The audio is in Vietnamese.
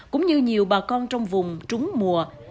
cũng như nhiều bà con trong vùng trúng mùa